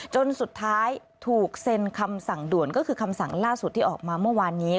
จนสุดท้ายถูกเซ็นคำสั่งด่วนก็คือคำสั่งล่าสุดที่ออกมาเมื่อวานนี้